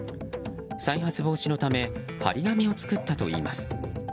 再発防止のため貼り紙を作ったといいます。